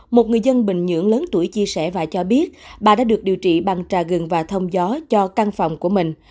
một người dân bình nhưỡng lớn tuổi chia sẻ và cho biết bà đã được điều trị bằng trà gừng và thông gió cho căn phòng của mình